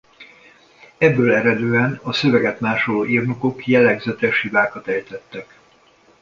Ebből eredően a szöveget másoló írnokok jellegzetes hibákat ejtettek.